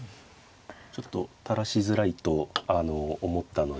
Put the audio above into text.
ちょっと垂らしづらいと思ったので。